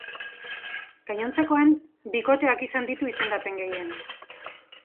Gainontzekoan, bikoteak izan ditu izendapen gehien.